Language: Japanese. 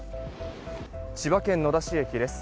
千葉県野田市駅です。